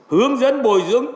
hướng dẫn bồi dưỡng